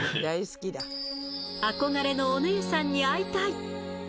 憧れのお姉さんに会いたい！